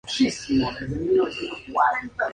La entidad deja una nube de sangre, pero ningún cuerpo.